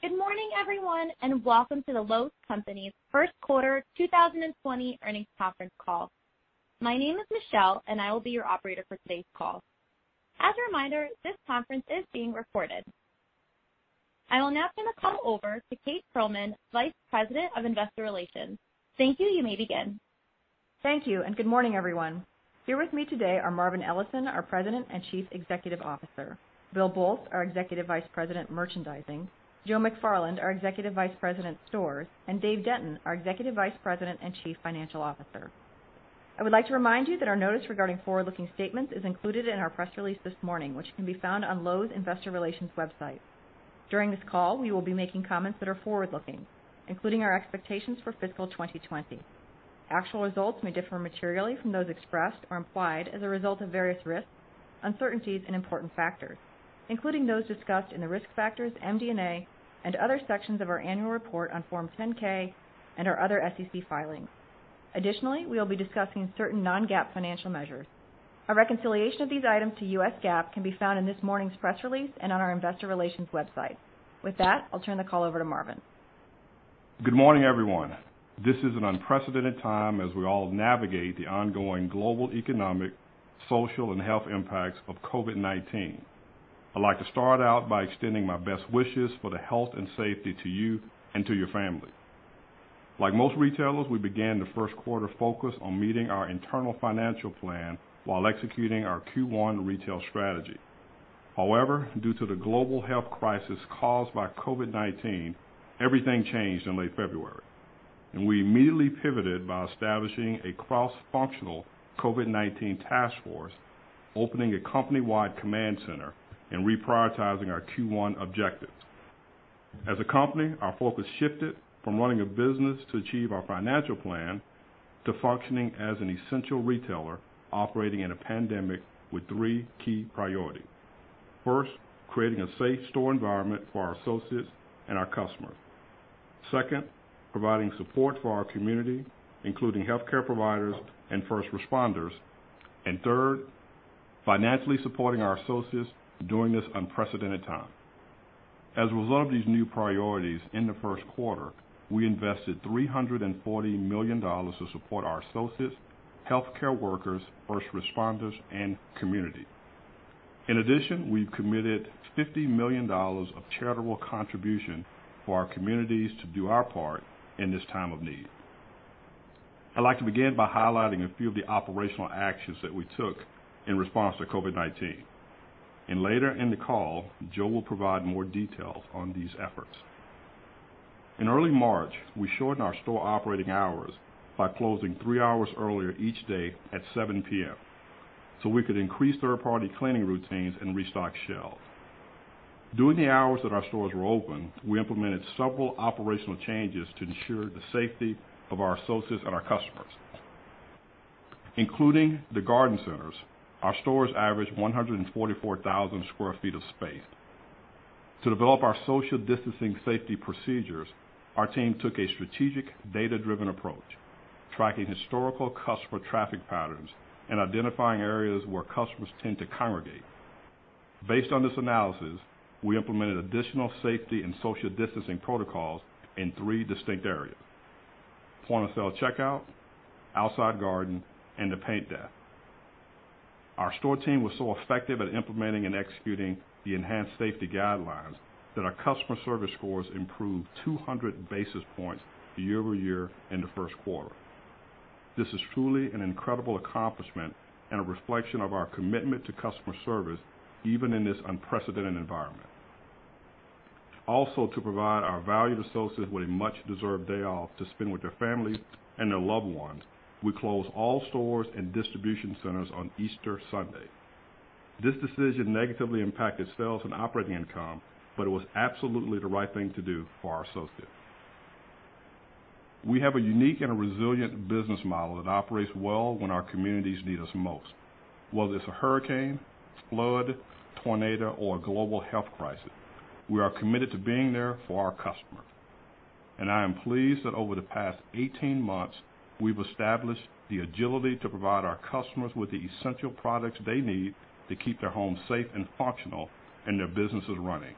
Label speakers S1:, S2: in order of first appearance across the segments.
S1: Good morning, everyone, welcome to The Lowe's Companies first quarter 2020 earnings conference call. My name is Michelle, I will be your operator for today's call. As a reminder, this conference is being recorded. I will now turn the call over to Kate Pearlman, vice president of investor relations. Thank you. You may begin.
S2: Thank you, good morning, everyone. Here with me today are Marvin Ellison, our President and Chief Executive Officer, Bill Boltz, our Executive Vice President, Merchandising, Joe McFarland, our Executive Vice President, Stores, and Dave Denton, our Executive Vice President and Chief Financial Officer. I would like to remind you that our notice regarding forward-looking statements is included in our press release this morning, which can be found on Lowe's investor relations website. During this call, we will be making comments that are forward-looking, including our expectations for fiscal 2020. Actual results may differ materially from those expressed or implied as a result of various risks, uncertainties, and important factors, including those discussed in the risk factors, MD&A, and other sections of our annual report on Form 10-K and our other SEC filings. Additionally, we will be discussing certain non-GAAP financial measures. A reconciliation of these items to US GAAP can be found in this morning's press release and on our investor relations website. With that, I'll turn the call over to Marvin.
S3: Good morning, everyone. This is an unprecedented time as we all navigate the ongoing global economic, social, and health impacts of COVID-19. I'd like to start out by extending my best wishes for the health and safety to you and to your family. Like most retailers, we began the first quarter focused on meeting our internal financial plan while executing our Q1 retail strategy. Due to the global health crisis caused by COVID-19, everything changed in late February, and we immediately pivoted by establishing a cross-functional COVID-19 task force, opening a company-wide command center, and reprioritizing our Q1 objectives. As a company, our focus shifted from running a business to achieve our financial plan to functioning as an essential retailer operating in a pandemic with three key priorities. First, creating a safe store environment for our associates and our customers. Second, providing support for our community, including healthcare providers and first responders. Third, financially supporting our associates during this unprecedented time. As a result of these new priorities in the first quarter, we invested $340 million to support our associates, healthcare workers, first responders, and community. In addition, we've committed $50 million of charitable contribution for our communities to do our part in this time of need. I'd like to begin by highlighting a few of the operational actions that we took in response to COVID-19, and later in the call, Joe will provide more details on these efforts. In early March, we shortened our store operating hours by closing three hours earlier each day at 7:00 P.M. so we could increase third-party cleaning routines and restock shelves. During the hours that our stores were open, we implemented several operational changes to ensure the safety of our associates and our customers. Including the garden centers, our stores average 144,000 square feet of space. To develop our social distancing safety procedures, our team took a strategic data-driven approach, tracking historical customer traffic patterns and identifying areas where customers tend to congregate. Based on this analysis, we implemented additional safety and social distancing protocols in three distinct areas: point-of-sale checkout, outside garden, and the paint desk. Our store team was so effective at implementing and executing the enhanced safety guidelines that our customer service scores improved 200 basis points year-over-year in the first quarter. This is truly an incredible accomplishment and a reflection of our commitment to customer service, even in this unprecedented environment. To provide our valued associates with a much-deserved day off to spend with their families and their loved ones, we closed all stores and distribution centers on Easter Sunday. This decision negatively impacted sales and operating income. It was absolutely the right thing to do for our associates. We have a unique and a resilient business model that operates well when our communities need us most. Whether it's a hurricane, flood, tornado, or a global health crisis, we are committed to being there for our customers. I am pleased that over the past 18 months, we've established the agility to provide our customers with the essential products they need to keep their homes safe and functional and their businesses running.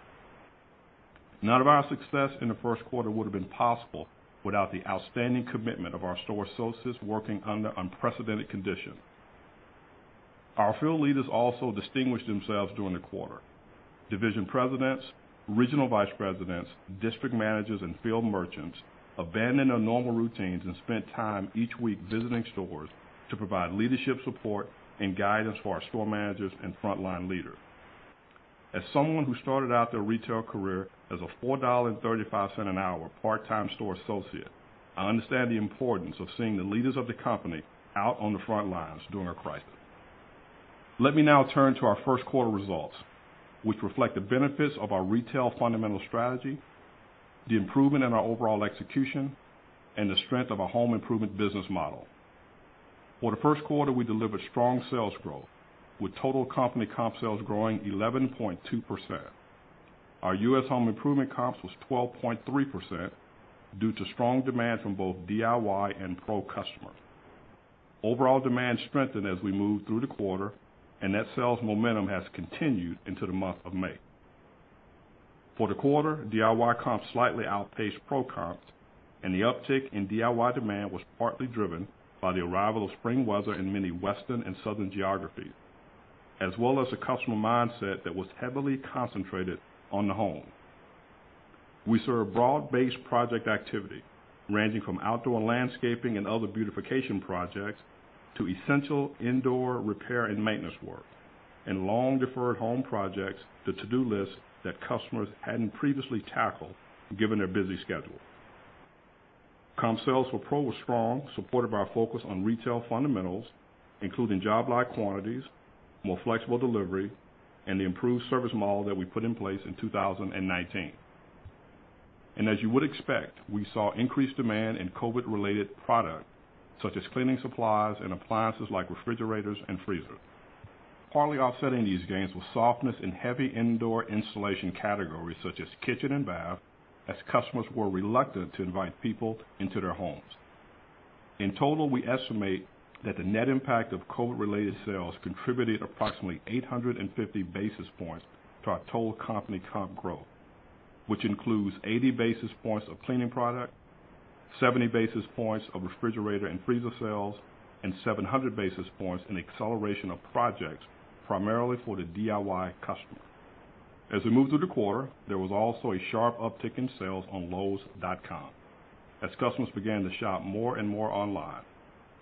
S3: None of our success in the first quarter would've been possible without the outstanding commitment of our store associates working under unprecedented conditions. Our field leaders also distinguished themselves during the quarter. Division Presidents, Regional Vice Presidents, District Managers, and Field Merchants abandoned their normal routines and spent time each week visiting stores to provide leadership support and guidance for our Store Managers and Frontline Leaders. As someone who started out their retail career as a $4.35 an hour part-time store associate, I understand the importance of seeing the leaders of the company out on the front lines during a crisis. Let me now turn to our first quarter results, which reflect the benefits of our retail fundamental strategy, the improvement in our overall execution, and the strength of our home improvement business model. For the first quarter, we delivered strong sales growth, with total company comp sales growing 11.2%. Our U.S. home improvement comps was 12.3% due to strong demand from both DIY and pro customers. Overall demand strengthened as we moved through the quarter, net sales momentum has continued into the month of May. For the quarter, DIY comp slightly outpaced pro comps, the uptick in DIY demand was partly driven by the arrival of spring weather in many Western and Southern geographies, as well as a customer mindset that was heavily concentrated on the home. We saw a broad-based project activity ranging from outdoor landscaping and other beautification projects to essential indoor repair and maintenance work and long-deferred home projects, the to-do list that customers hadn't previously tackled given their busy schedule. Comp sales for pro was strong, supported by our focus on retail fundamentals, including job lot quantities, more flexible delivery, and the improved service model that we put in place in 2019. As you would expect, we saw increased demand in COVID-related product, such as cleaning supplies and appliances like refrigerators and freezers. Partly offsetting these gains was softness in heavy indoor installation categories such as kitchen and bath, as customers were reluctant to invite people into their homes. In total, we estimate that the net impact of COVID-related sales contributed approximately 850 basis points to our total company comp growth, which includes 80 basis points of cleaning product, 70 basis points of refrigerator and freezer sales, and 700 basis points in acceleration of projects primarily for the DIY customer. As we moved through the quarter, there was also a sharp uptick in sales on lowes.com as customers began to shop more and more online.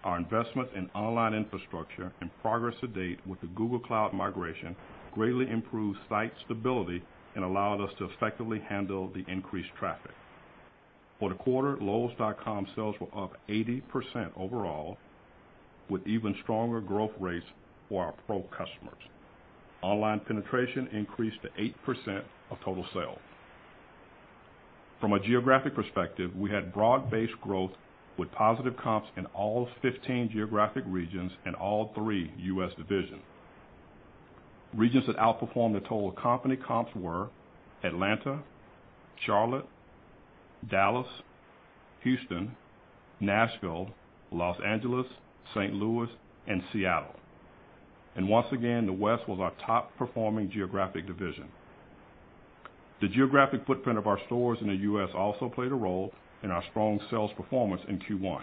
S3: Our investment in online infrastructure and progress to date with the Google Cloud migration greatly improved site stability and allowed us to effectively handle the increased traffic. For the quarter, lowes.com sales were up 80% overall with even stronger growth rates for our pro customers. Online penetration increased to 8% of total sales. From a geographic perspective, we had broad-based growth with positive comps in all 15 geographic regions and all three U.S. divisions. Regions that outperformed the total company comps were Atlanta, Charlotte, Dallas, Houston, Nashville, Los Angeles, St. Louis, and Seattle. Once again, the West was our top-performing geographic division. The geographic footprint of our stores in the U.S. also played a role in our strong sales performance in Q1.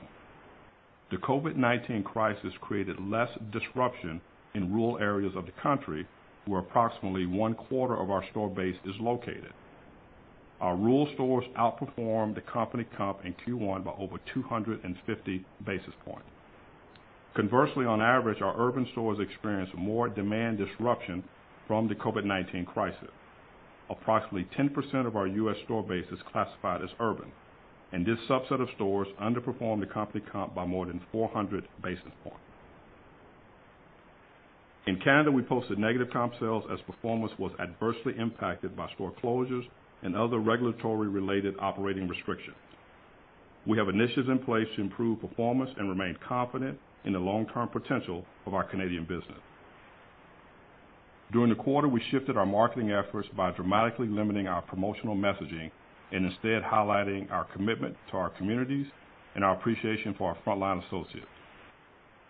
S3: The COVID-19 crisis created less disruption in rural areas of the country where approximately one-quarter of our store base is located. Our rural stores outperformed the company comp in Q1 by over 250 basis points. On average, our urban stores experienced more demand disruption from the COVID-19 crisis. Approximately 10% of our U.S. store base is classified as urban, and this subset of stores underperformed the company comp by more than 400 basis points. In Canada, we posted negative comp sales as performance was adversely impacted by store closures and other regulatory-related operating restrictions. We have initiatives in place to improve performance and remain confident in the long-term potential of our Canadian business. During the quarter, we shifted our marketing efforts by dramatically limiting our promotional messaging and instead highlighting our commitment to our communities and our appreciation for our frontline associates.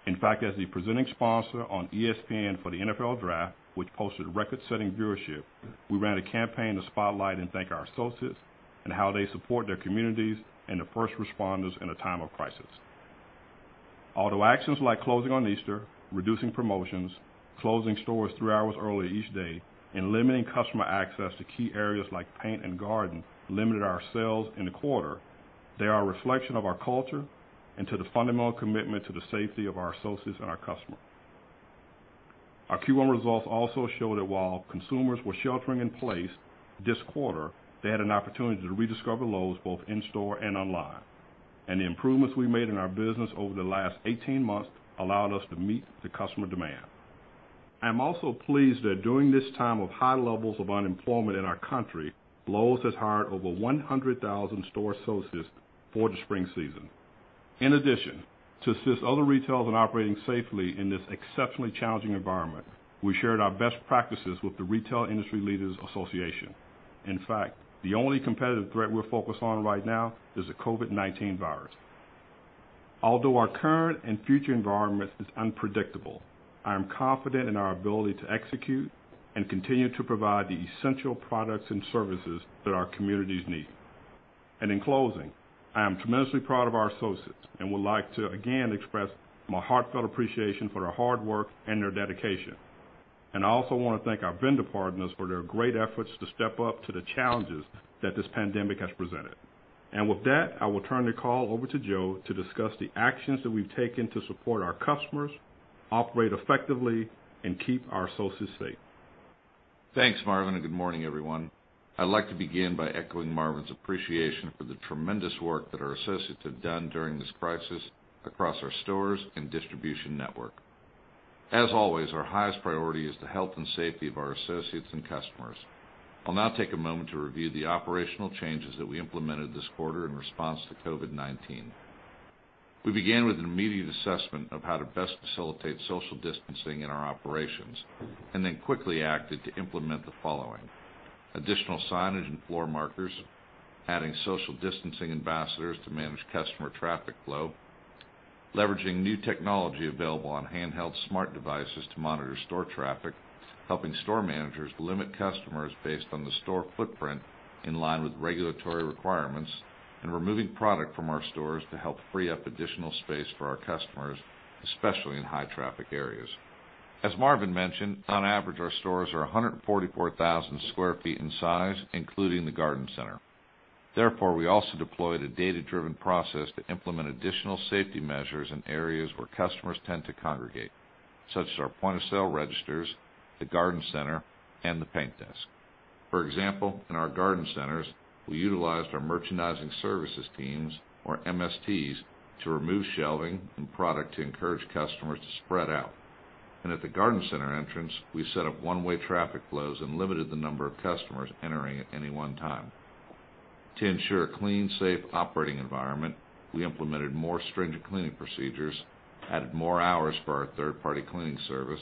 S3: In fact, as the presenting sponsor on ESPN for the NFL Draft, which posted record-setting viewership, we ran a campaign to spotlight and thank our associates and how they support their communities and the first responders in a time of crisis. Although actions like closing on Easter, reducing promotions, closing stores three hours early each day, and limiting customer access to key areas like paint and garden limited our sales in the quarter, they are a reflection of our culture and to the fundamental commitment to the safety of our associates and our customers. Our Q1 results also show that while consumers were sheltering in place this quarter, they had an opportunity to rediscover Lowe's both in store and online, and the improvements we made in our business over the last 18 months allowed us to meet the customer demand. I'm also pleased that during this time of high levels of unemployment in our country, Lowe's has hired over 100,000 store associates for the spring season. To assist other retailers in operating safely in this exceptionally challenging environment, we shared our best practices with the Retail Industry Leaders Association. The only competitive threat we're focused on right now is the COVID-19 virus. Although our current and future environment is unpredictable, I am confident in our ability to execute and continue to provide the essential products and services that our communities need. In closing, I am tremendously proud of our associates and would like to again express my heartfelt appreciation for their hard work and their dedication. I also want to thank our vendor partners for their great efforts to step up to the challenges that this pandemic has presented. With that, I will turn the call over to Joe to discuss the actions that we've taken to support our customers, operate effectively, and keep our associates safe.
S4: Thanks, Marvin, and good morning, everyone. I'd like to begin by echoing Marvin's appreciation for the tremendous work that our associates have done during this crisis across our stores and distribution network. As always, our highest priority is the health and safety of our associates and customers. I'll now take a moment to review the operational changes that we implemented this quarter in response to COVID-19. We began with an immediate assessment of how to best facilitate social distancing in our operations and then quickly acted to implement the following: additional signage and floor markers, adding social distancing ambassadors to manage customer traffic flow, leveraging new technology available on handheld smart devices to monitor store traffic, helping store managers limit customers based on the store footprint in line with regulatory requirements, and removing product from our stores to help free up additional space for our customers, especially in high traffic areas. As Marvin mentioned, on average our stores are 144,000 sq ft in size, including the garden center. We also deployed a data-driven process to implement additional safety measures in areas where customers tend to congregate, such as our point of sale registers, the garden center, and the paint desk. For example, in our garden centers, we utilized our Merchandising Service Teams, or MSTs, to remove shelving and product to encourage customers to spread out. At the garden center entrance, we set up one-way traffic flows and limited the number of customers entering at any one time. To ensure a clean, safe operating environment, we implemented more stringent cleaning procedures, added more hours for our third-party cleaning service,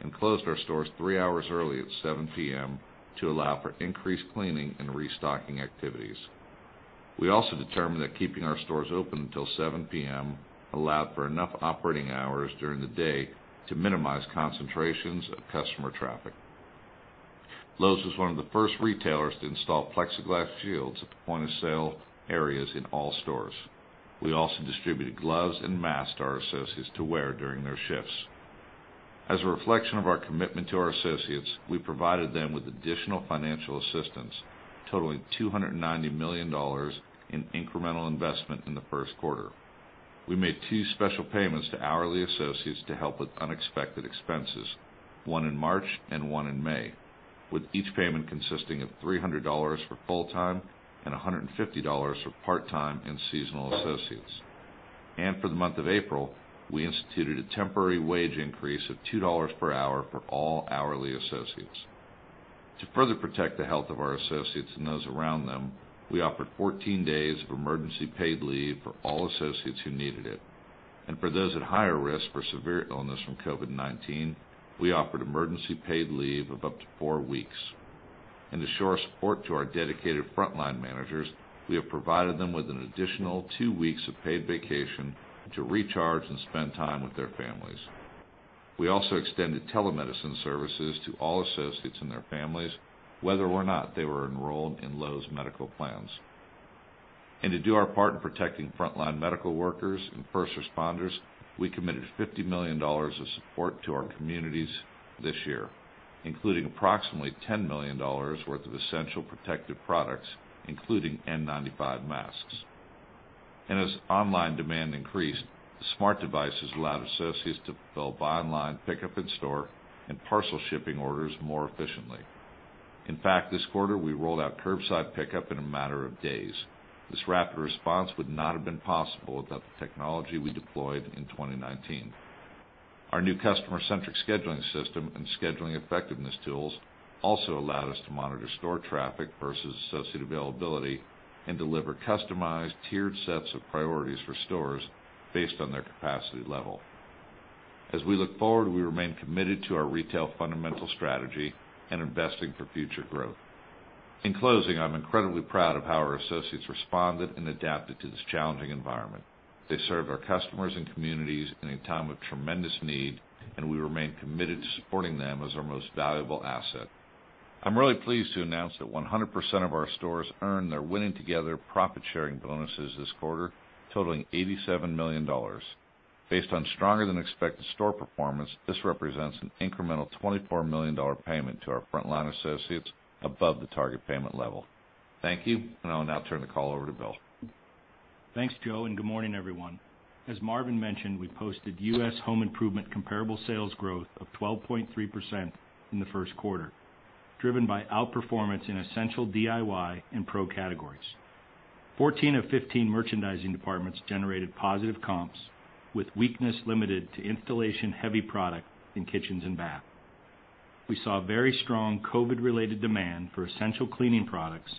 S4: and closed our stores three hours early at 7:00 P.M. to allow for increased cleaning and restocking activities. We also determined that keeping our stores open until 7:00 P.M. allowed for enough operating hours during the day to minimize concentrations of customer traffic. Lowe's was one of the first retailers to install plexiglass shields at the point-of-sale areas in all stores. We also distributed gloves and masks to our associates to wear during their shifts. As a reflection of our commitment to our associates, we provided them with additional financial assistance totaling $290 million in incremental investment in the first quarter. We made two special payments to hourly associates to help with unexpected expenses, one in March and one in May, with each payment consisting of $300 for full-time and $150 for part-time and seasonal associates. For the month of April, we instituted a temporary wage increase of $2 per hour for all hourly associates. To further protect the health of our associates and those around them, we offered 14 days of emergency paid leave for all associates who needed it. For those at higher risk for severe illness from COVID-19, we offered emergency paid leave of up to four weeks. To show our support to our dedicated frontline managers, we have provided them with an additional two weeks of paid vacation to recharge and spend time with their families. We also extended telemedicine services to all associates and their families, whether or not they were enrolled in Lowe's medical plans. To do our part in protecting frontline medical workers and first responders, we committed $50 million of support to our communities this year, including approximately $10 million worth of essential protective products, including N95 masks. As online demand increased, smart devices allowed associates to fulfill online pickup in-store and parcel shipping orders more efficiently. In fact, this quarter, we rolled out curbside pickup in a matter of days. This rapid response would not have been possible without the technology we deployed in 2019. Our new customer-centric scheduling system and scheduling effectiveness tools also allowed us to monitor store traffic versus associate availability and deliver customized tiered sets of priorities for stores based on their capacity level. As we look forward, we remain committed to our retail fundamental strategy and investing for future growth. In closing, I'm incredibly proud of how our associates responded and adapted to this challenging environment. They served our customers and communities in a time of tremendous need, we remain committed to supporting them as our most valuable asset. I'm really pleased to announce that 100% of our stores earned their Winning Together profit-sharing bonuses this quarter, totaling $87 million. Based on stronger than expected store performance, this represents an incremental $24 million payment to our frontline associates above the target payment level. Thank you, and I'll now turn the call over to Bill.
S5: Thanks, Joe. Good morning, everyone. As Marvin mentioned, we posted U.S. home improvement comparable sales growth of 12.3% in the first quarter, driven by outperformance in essential DIY and pro categories. 14 of 15 merchandising departments generated positive comps, with weakness limited to installation-heavy product in kitchens and bath. We saw very strong COVID-19-related demand for essential cleaning products,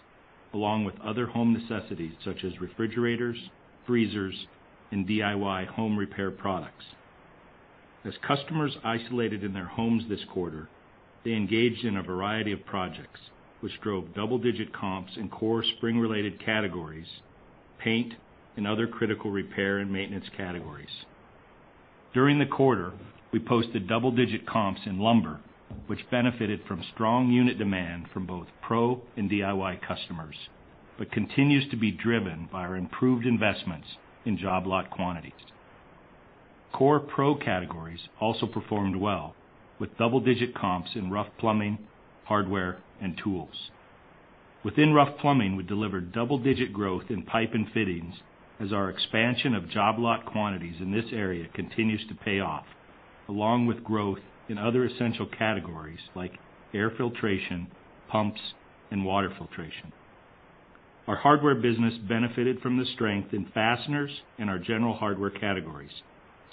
S5: along with other home necessities such as refrigerators, freezers, and DIY home repair products. As customers isolated in their homes this quarter, they engaged in a variety of projects, which drove double-digit comps in core spring-related categories, paint, and other critical repair and maintenance categories. During the quarter, we posted double-digit comps in lumber, which benefited from strong unit demand from both pro and DIY customers but continues to be driven by our improved investments in job lot quantities. Core pro categories also performed well, with double-digit comps in rough plumbing, hardware, and tools. Within rough plumbing, we delivered double-digit growth in pipe and fittings as our expansion of job lot quantities in this area continues to pay off, along with growth in other essential categories like air filtration, pumps, and water filtration. Our hardware business benefited from the strength in fasteners and our general hardware categories,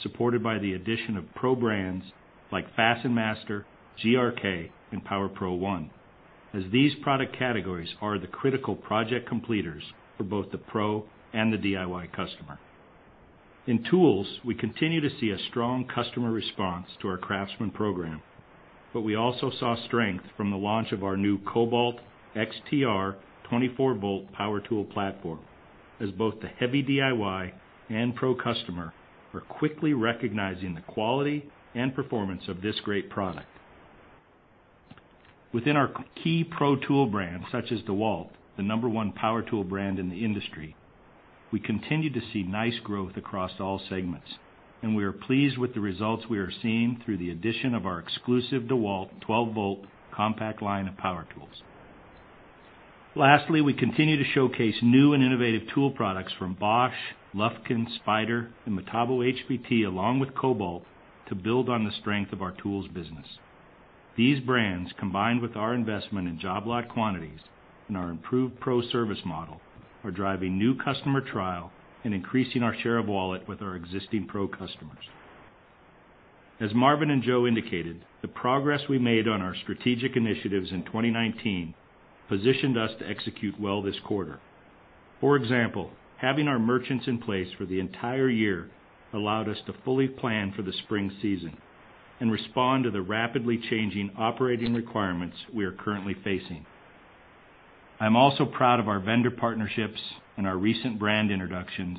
S5: supported by the addition of pro brands like FastenMaster, GRK, and Power Pro, as these product categories are the critical project completers for both the pro and the DIY customer. In tools, we continue to see a strong customer response to our Craftsman program. We also saw strength from the launch of our new Kobalt XTR 24-volt power tool platform, as both the heavy DIY and pro customer are quickly recognizing the quality and performance of this great product. Within our key pro tool brands such as DeWalt, the number one power tool brand in the industry, we continue to see nice growth across all segments, and we are pleased with the results we are seeing through the addition of our exclusive DeWalt 12-volt compact line of power tools. Lastly, we continue to showcase new and innovative tool products from Bosch, Lufkin, Spyder, and Metabo HPT along with Kobalt to build on the strength of our tools business. These brands, combined with our investment in job lock quantities and our improved pro service model, are driving new customer trial and increasing our share of wallet with our existing pro customers. As Marvin and Joe indicated, the progress we made on our strategic initiatives in 2019 positioned us to execute well this quarter. For example, having our merchants in place for the entire year allowed us to fully plan for the spring season and respond to the rapidly changing operating requirements we are currently facing. I'm also proud of our vendor partnerships and our recent brand introductions,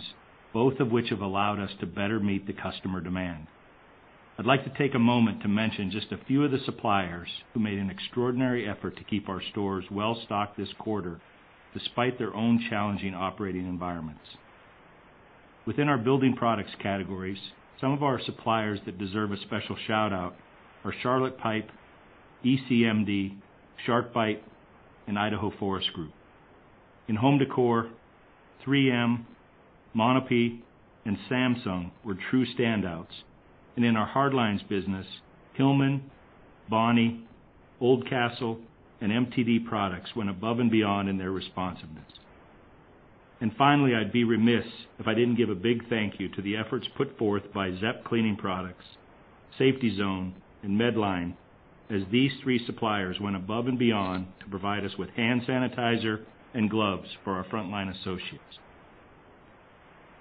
S5: both of which have allowed us to better meet the customer demand. I'd like to take a moment to mention just a few of the suppliers who made an extraordinary effort to keep our stores well-stocked this quarter, despite their own challenging operating environments. Within our building products categories, some of our suppliers that deserve a special shout-out are Charlotte Pipe, ECMD, SharkBite, and Idaho Forest Group. In home decor, 3M, Mohawk, and Samsung were true standouts. In our hard lines business, Hillman, Bonnie, Oldcastle, and MTD Products went above and beyond in their responsiveness. Finally, I'd be remiss if I didn't give a big thank-you to the efforts put forth by Zep Cleaning Products, Safety Zone, and Medline, as these three suppliers went above and beyond to provide us with hand sanitizer and gloves for our frontline associates.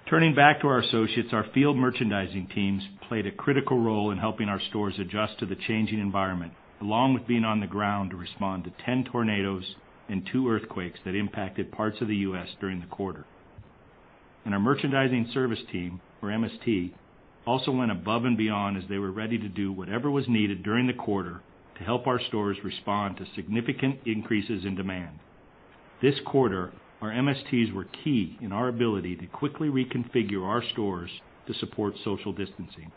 S5: Turning back to our associates, our field merchandising teams played a critical role in helping our stores adjust to the changing environment, along with being on the ground to respond to 10 tornadoes and two earthquakes that impacted parts of the U.S. during the quarter. Our Merchandising Service Team, or MST, also went above and beyond as they were ready to do whatever was needed during the quarter to help our stores respond to significant increases in demand. This quarter, our MSTs were key in our ability to quickly reconfigure our stores to support social distancing.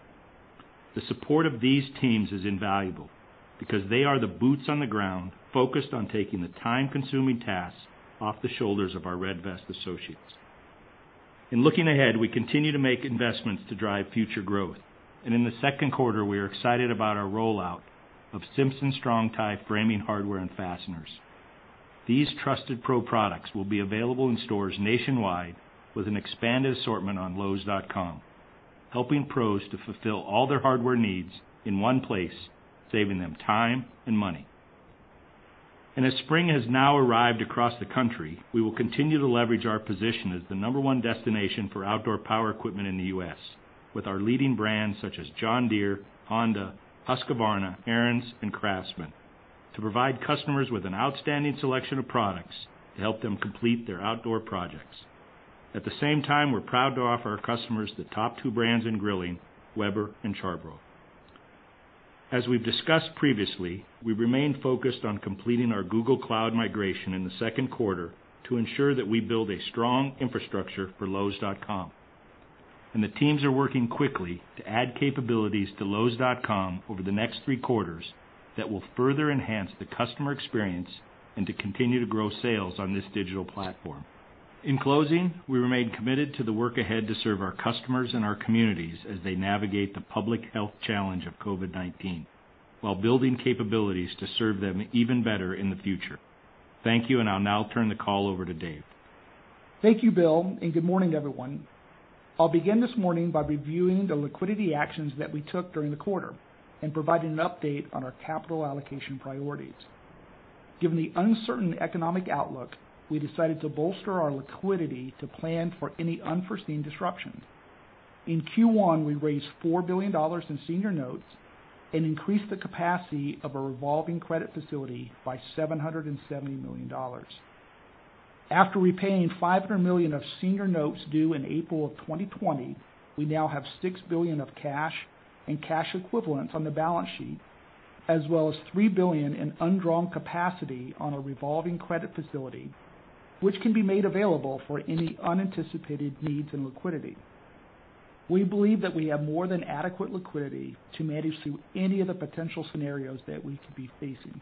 S5: The support of these teams is invaluable, because they are the boots on the ground focused on taking the time-consuming tasks off the shoulders of our red vest associates. In looking ahead, we continue to make investments to drive future growth. In the second quarter, we are excited about our rollout of Simpson Strong-Tie framing hardware and fasteners. These trusted pro products will be available in stores nationwide with an expanded assortment on lowes.com, helping pros to fulfill all their hardware needs in one place, saving them time and money. As spring has now arrived across the country, we will continue to leverage our position as the number one destination for outdoor power equipment in the U.S. with our leading brands such as John Deere, Honda, Husqvarna, Ariens, and Craftsman to provide customers with an outstanding selection of products to help them complete their outdoor projects. At the same time, we're proud to offer our customers the top two brands in grilling, Weber and Char-Broil. As we've discussed previously, we remain focused on completing our Google Cloud migration in the second quarter to ensure that we build a strong infrastructure for lowes.com. The teams are working quickly to add capabilities to lowes.com over the next three quarters that will further enhance the customer experience and to continue to grow sales on this digital platform. In closing, we remain committed to the work ahead to serve our customers and our communities as they navigate the public health challenge of COVID-19 while building capabilities to serve them even better in the future. Thank you, and I'll now turn the call over to Dave.
S6: Thank you, Bill. Good morning, everyone. I'll begin this morning by reviewing the liquidity actions that we took during the quarter and providing an update on our capital allocation priorities. Given the uncertain economic outlook, we decided to bolster our liquidity to plan for any unforeseen disruptions. In Q1, we raised $4 billion in senior notes and increased the capacity of a revolving credit facility by $770 million. After repaying $500 million of senior notes due in April of 2020, we now have $6 billion of cash and cash equivalents on the balance sheet, as well as $3 billion in undrawn capacity on a revolving credit facility, which can be made available for any unanticipated needs in liquidity. We believe that we have more than adequate liquidity to manage through any of the potential scenarios that we could be facing.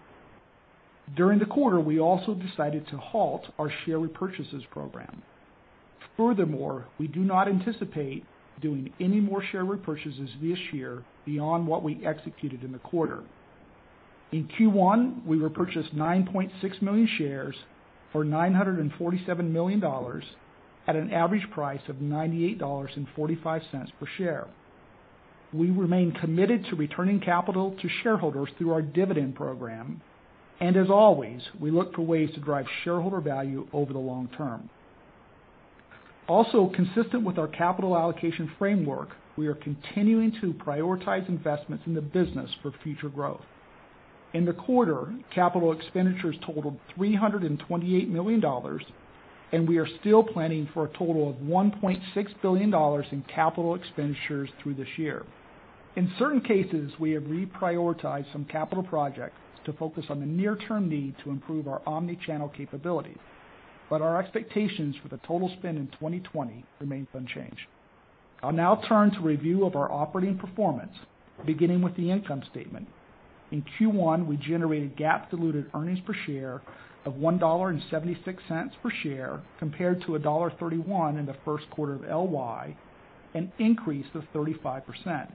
S6: During the quarter, we also decided to halt our share repurchases program. Furthermore, we do not anticipate doing any more share repurchases this year beyond what we executed in the quarter. In Q1, we repurchased 9.6 million shares for $947 million at an average price of $98.45 per share. We remain committed to returning capital to shareholders through our dividend program, and as always, we look for ways to drive shareholder value over the long term. Also consistent with our capital allocation framework, we are continuing to prioritize investments in the business for future growth. In the quarter, capital expenditures totaled $328 million, and we are still planning for a total of $1.6 billion in capital expenditures through this year. In certain cases, we have reprioritized some capital projects to focus on the near-term need to improve our omni-channel capabilities, but our expectations for the total spend in 2020 remain unchanged. I'll now turn to review of our operating performance, beginning with the income statement. In Q1, we generated GAAP diluted earnings per share of $1.76 per share compared to $1.31 in the first quarter of LY, an increase of 35%.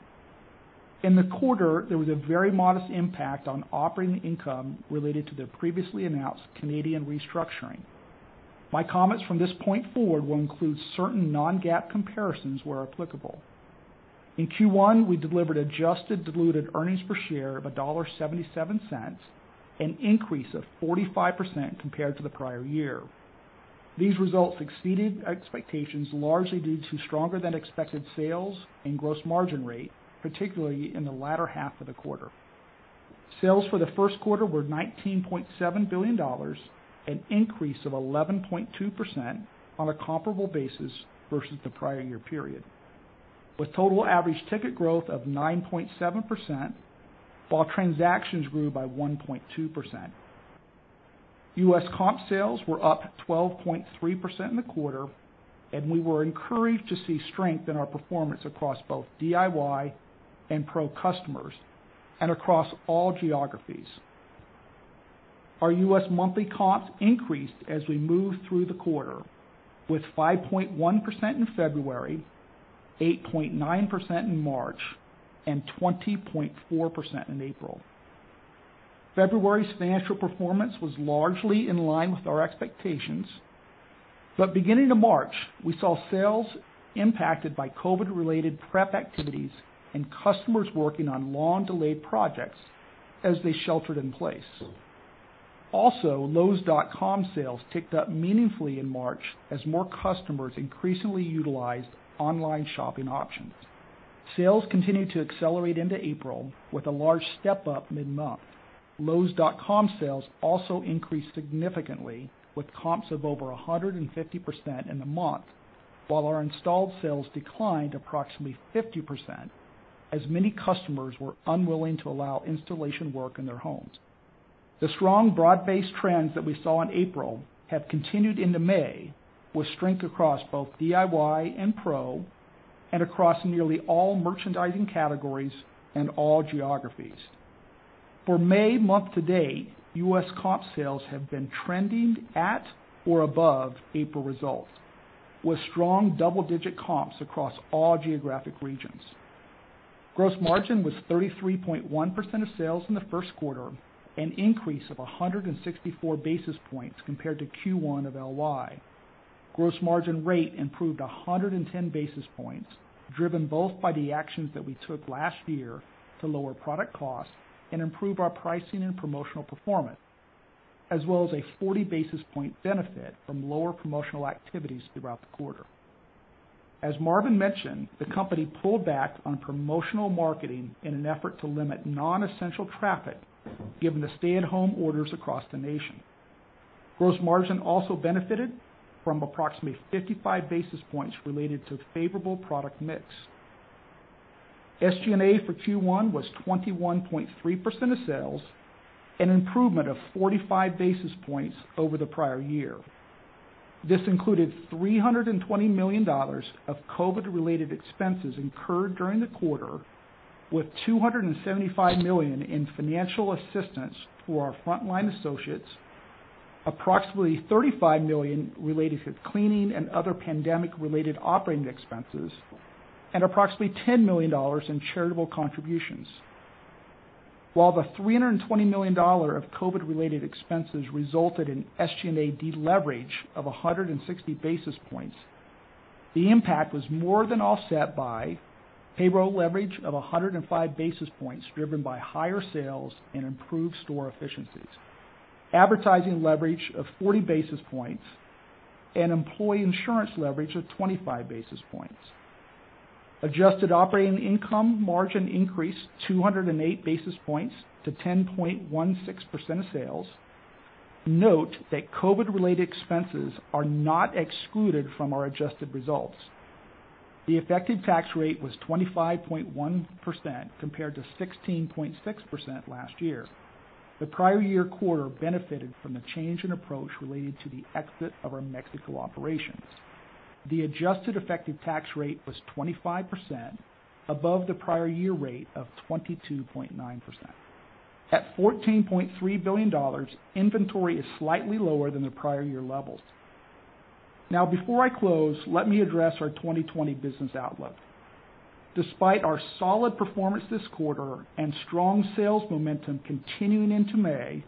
S6: In the quarter, there was a very modest impact on operating income related to the previously announced Canadian restructuring. My comments from this point forward will include certain non-GAAP comparisons where applicable. In Q1, we delivered adjusted diluted earnings per share of $1.77, an increase of 45% compared to the prior year. These results exceeded expectations largely due to stronger than expected sales and gross margin rate, particularly in the latter half of the quarter. Sales for the first quarter were $19.7 billion, an increase of 11.2% on a comparable basis versus the prior year period, with total average ticket growth of 9.7%, while transactions grew by 1.2%. U.S. Comp sales were up 12.3% in the quarter, and we were encouraged to see strength in our performance across both DIY and pro customers and across all geographies. Our U.S. monthly comps increased as we moved through the quarter with 5.1% in February, 8.9% in March, and 20.4% in April. February's financial performance was largely in line with our expectations, but beginning of March, we saw sales impacted by COVID-related prep activities and customers working on long-delayed projects as they sheltered in place. Also, lowes.com sales ticked up meaningfully in March as more customers increasingly utilized online shopping options. Sales continued to accelerate into April with a large step-up mid-month. lowes.com sales also increased significantly with comps of over 150% in the month, while our installed sales declined approximately 50% as many customers were unwilling to allow installation work in their homes. The strong broad-based trends that we saw in April have continued into May with strength across both DIY and pro and across nearly all merchandising categories and all geographies. For May month to date, U.S. comp sales have been trending at or above April results, with strong double-digit comps across all geographic regions. Gross margin was 33.1% of sales in the first quarter, an increase of 164 basis points compared to Q1 of LY. Gross margin rate improved 110 basis points, driven both by the actions that we took last year to lower product costs and improve our pricing and promotional performance, as well as a 40 basis point benefit from lower promotional activities throughout the quarter. As Marvin mentioned, the company pulled back on promotional marketing in an effort to limit non-essential traffic given the stay-at-home orders across the nation. Gross margin also benefited from approximately 55 basis points related to favorable product mix. SG&A for Q1 was 21.3% of sales, an improvement of 45 basis points over the prior year. This included $320 million of COVID-related expenses incurred during the quarter, with $275 million in financial assistance for our frontline associates, approximately $35 million related to cleaning and other pandemic-related operating expenses, and approximately $10 million in charitable contributions. While the $320 million of COVID-related expenses resulted in SG&A deleverage of 160 basis points, the impact was more than offset by payroll leverage of 105 basis points driven by higher sales and improved store efficiencies, advertising leverage of 40 basis points, and employee insurance leverage of 25 basis points. Adjusted operating income margin increased 208 basis points to 10.16% of sales. Note that COVID-related expenses are not excluded from our adjusted results. The effective tax rate was 25.1% compared to 16.6% last year. The prior year quarter benefited from the change in approach related to the exit of our Mexico operations. The adjusted effective tax rate was 25% above the prior year rate of 22.9%. At $14.3 billion, inventory is slightly lower than the prior year levels. Now before I close, let me address our 2020 business outlook. Despite our solid performance this quarter and strong sales momentum continuing into May,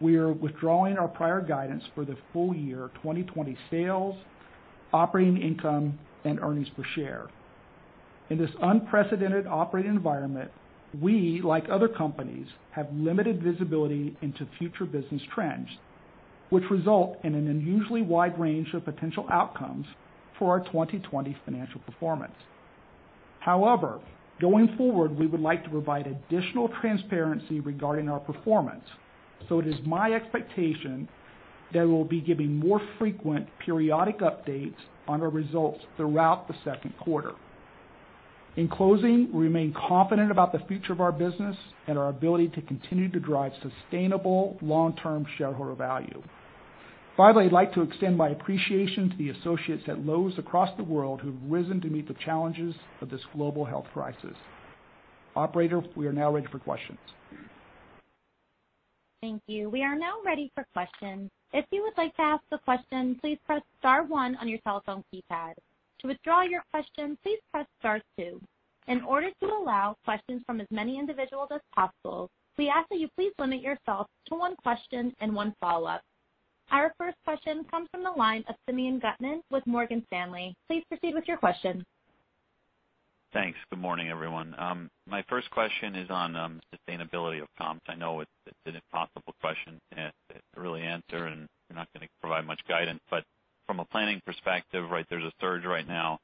S6: we are withdrawing our prior guidance for the full year 2020 sales, operating income and earnings per share. In this unprecedented operating environment, we, like other companies, have limited visibility into future business trends, which result in an unusually wide range of potential outcomes for our 2020 financial performance. However, going forward, we would like to provide additional transparency regarding our performance. It is my expectation that we'll be giving more frequent periodic updates on our results throughout the second quarter. In closing, we remain confident about the future of our business and our ability to continue to drive sustainable long-term shareholder value. Finally, I'd like to extend my appreciation to the associates at Lowe's across the world who've risen to meet the challenges of this global health crisis. Operator, we are now ready for questions.
S1: Thank you. We are now ready for questions. If you would like to ask a question, please press star one on your telephone keypad. To withdraw your question, please press star two. In order to allow questions from as many individuals as possible, we ask that you please limit yourself to one question and one follow-up. Our first question comes from the line of Simeon Gutman with Morgan Stanley. Please proceed with your question.
S7: Thanks. Good morning, everyone. My first question is on sustainability of comps. I know it's an impossible question to really answer, and you're not going to provide much guidance, but from a planning perspective, there's a surge right now.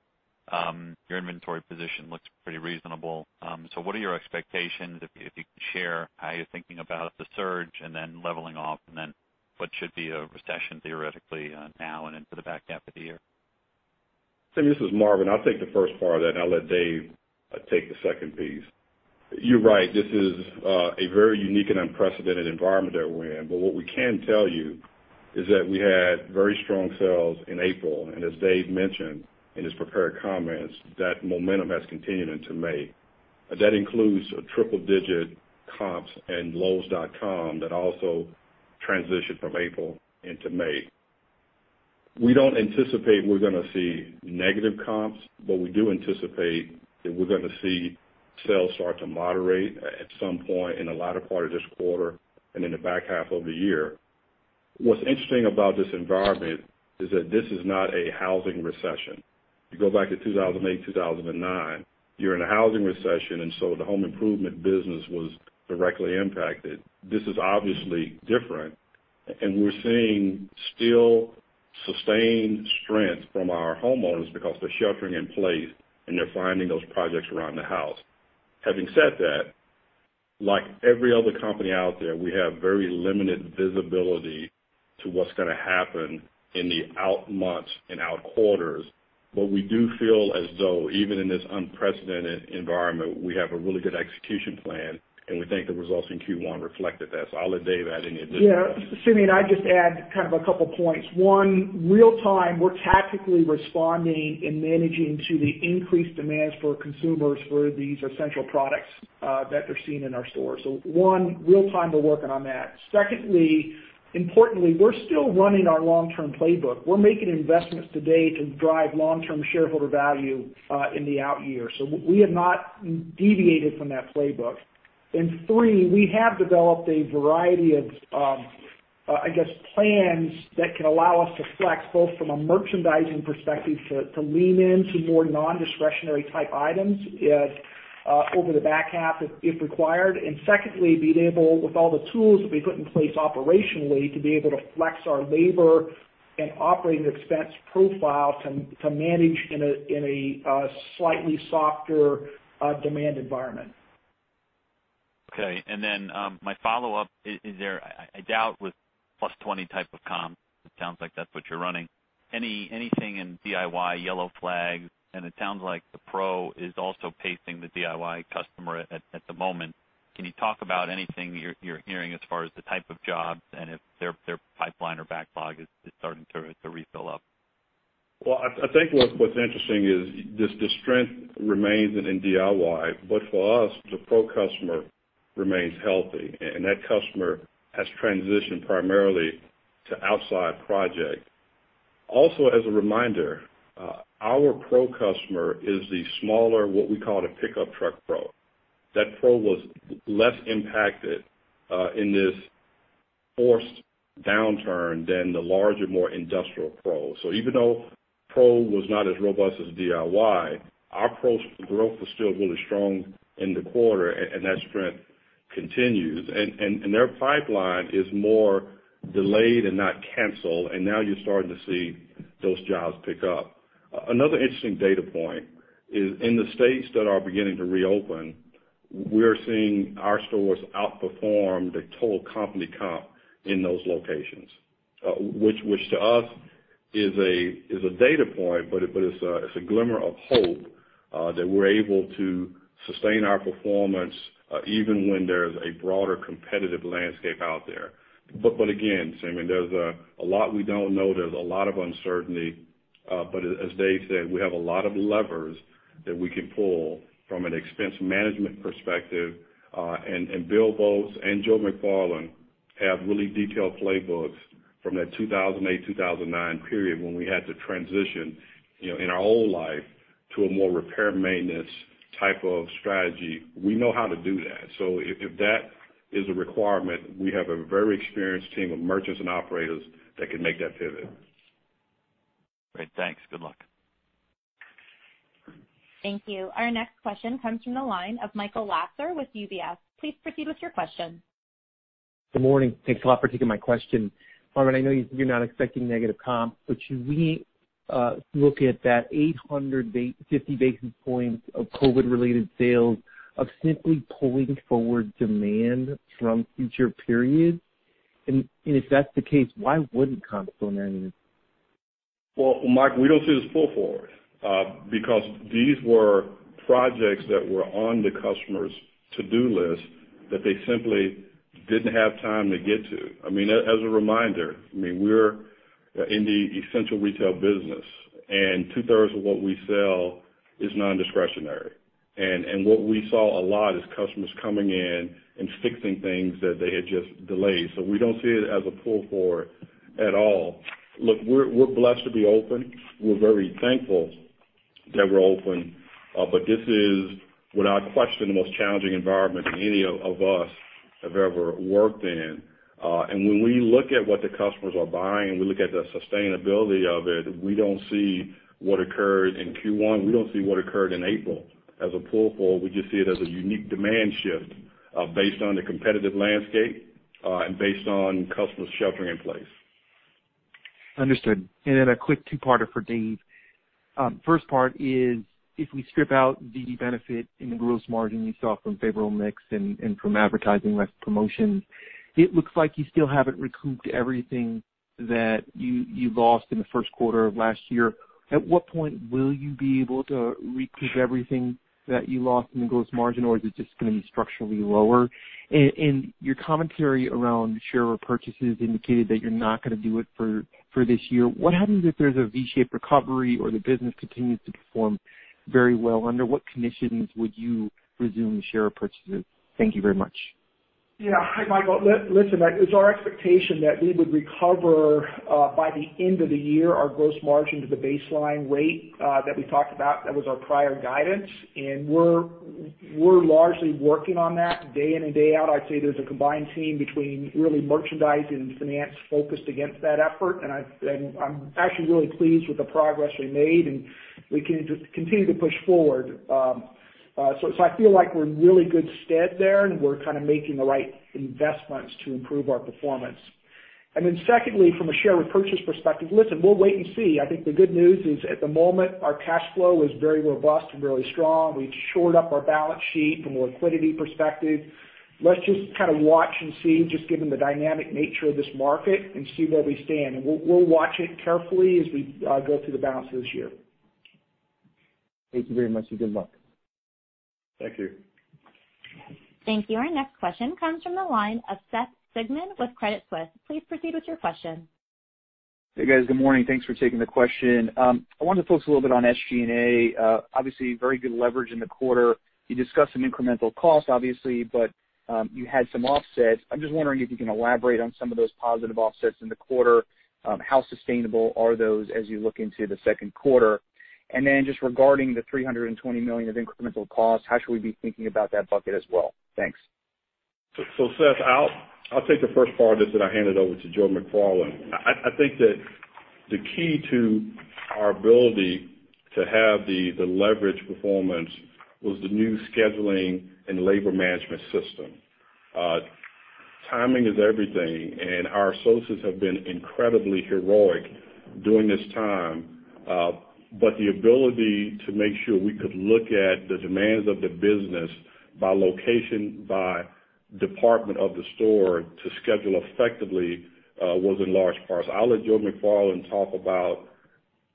S7: Your inventory position looks pretty reasonable. What are your expectations, if you can share how you're thinking about the surge and then leveling off and then what should be a recession theoretically now and into the back half of the year?
S3: Simeon, this is Marvin. I'll take the first part of that and I'll let Dave take the second piece. You're right. This is a very unique and unprecedented environment that we're in. What we can tell you is that we had very strong sales in April, and as Dave mentioned in his prepared comments, that momentum has continued into May. That includes a triple-digit comps in lowes.com that also transitioned from April into May. We don't anticipate we're going to see negative comps, but we do anticipate that we're going to see sales start to moderate at some point in the latter part of this quarter and in the back half of the year. What's interesting about this environment is that this is not a housing recession. You go back to 2008, 2009, you're in a housing recession, and so the home improvement business was directly impacted. This is obviously different. We're seeing still sustained strength from our homeowners because they're sheltering in place and they're finding those projects around the house. Having said that, like every other company out there, we have very limited visibility to what's going to happen in the out months and out quarters. We do feel as though even in this unprecedented environment, we have a really good execution plan, and we think the results in Q1 reflected that. I'll let Dave add anything to that.
S6: Yeah. Simeon, I'd just add kind of a couple points. One, real time, we're tactically responding and managing to the increased demands for consumers for these essential products that they're seeing in our stores. One, real time, we're working on that. Secondly, importantly, we're still running our long-term playbook. We're making investments today to drive long-term shareholder value in the out years. We have not deviated from that playbook. Three, we have developed a variety of plans that can allow us to flex both from a merchandising perspective to lean into more non-discretionary type items over the back half, if required. Secondly, being able with all the tools that we put in place operationally to be able to flex our labor and operating expense profile to manage in a slightly softer demand environment.
S7: Okay. My follow-up, I doubt with +20 type of comps, it sounds like that's what you're running. Anything in DIY yellow flags, it sounds like the pro is also pacing the DIY customer at the moment. Can you talk about anything you're hearing as far as the type of jobs and if their pipeline or backlog is starting to refill up?
S3: Well, I think what's interesting is the strength remains in DIY, but for us, the pro customer remains healthy, and that customer has transitioned primarily to outside project. As a reminder, our pro customer is the smaller, what we call the pickup truck pro. That pro was less impacted in this forced downturn than the larger, more industrial pro. Even though pro was not as robust as DIY, our pro growth was still really strong in the quarter, and that strength continues. Their pipeline is more delayed and not canceled, and now you're starting to see those jobs pick up. Another interesting data point is in the states that are beginning to reopen, we're seeing our stores outperform the total company comp in those locations which to us is a data point, but it's a glimmer of hope that we're able to sustain our performance even when there's a broader competitive landscape out there. Again, Simeon, there's a lot we don't know. There's a lot of uncertainty. As Dave said, we have a lot of levers that we can pull from an expense management perspective. Bill Boltz and Joe McFarland have really detailed playbooks from that 2008, 2009 period when we had to transition in our old life to a more repair and maintenance type of strategy. We know how to do that. If that is a requirement, we have a very experienced team of merchants and operators that can make that pivot.
S7: Great. Thanks. Good luck.
S1: Thank you. Our next question comes from the line of Michael Lasser with UBS. Please proceed with your question.
S8: Good morning. Thanks a lot for taking my question. Marvin, I know you're not expecting negative comp, but should we look at that 850 basis points of COVID-19 related sales of simply pulling forward demand from future periods? If that's the case, why wouldn't comps go negative?
S3: Well, Michael, we don't see this pull forward because these were projects that were on the customer's to-do list that they simply didn't have time to get to. As a reminder, we're in the essential retail business, and two-thirds of what we sell is non-discretionary. What we saw a lot is customers coming in and fixing things that they had just delayed. We don't see it as a pull forward at all. Look, we're blessed to be open. We're very thankful that we're open. This is, without question, the most challenging environment that any of us have ever worked in. When we look at what the customers are buying and we look at the sustainability of it, we don't see what occurred in Q1. We don't see what occurred in April as a pull forward. We just see it as a unique demand shift based on the competitive landscape and based on customers sheltering in place.
S8: Understood. Then a quick two-parter for Dave. First part is, if we strip out the benefit in the gross margin you saw from favorable mix and from advertising promotions, it looks like you still haven't recouped everything that you lost in the first quarter of last year. At what point will you be able to recoup everything that you lost in the gross margin? Or is it just going to be structurally lower? Your commentary around share repurchases indicated that you're not going to do it for this year. What happens if there's a V-shaped recovery or the business continues to perform very well? Under what conditions would you resume share purchases? Thank you very much.
S6: Yeah. Hi, Michael. Listen, it's our expectation that we would recover by the end of the year our gross margin to the baseline rate that we talked about. That was our prior guidance, and we're largely working on that day in and day out. I'd say there's a combined team between really merchandising and finance focused against that effort, and I'm actually really pleased with the progress we made, and we can just continue to push forward. I feel like we're in really good stead there, and we're making the right investments to improve our performance. Secondly, from a share repurchase perspective, listen, we'll wait and see. I think the good news is at the moment, our cash flow is very robust and really strong. We've shored up our balance sheet from a liquidity perspective. Let's just watch and see, just given the dynamic nature of this market and see where we stand. We'll watch it carefully as we go through the balance of this year.
S8: Thank you very much, and good luck.
S3: Thank you.
S1: Thank you. Our next question comes from the line of Seth Sigman with Credit Suisse. Please proceed with your question.
S9: Hey, guys. Good morning. Thanks for taking the question. I wanted to focus a little bit on SG&A. Obviously, very good leverage in the quarter. You discussed some incremental costs, obviously, but you had some offsets. I'm just wondering if you can elaborate on some of those positive offsets in the quarter. How sustainable are those as you look into the second quarter? Just regarding the $320 million of incremental costs, how should we be thinking about that bucket as well? Thanks.
S3: Seth, I'll take the first part of this, then I'll hand it over to Joe McFarland. I think that the key to our ability to have the leverage performance was the new scheduling and labor management system. Timing is everything, and our associates have been incredibly heroic during this time. The ability to make sure we could look at the demands of the business by location, by department of the store to schedule effectively was in large part. I'll let Joe McFarland talk about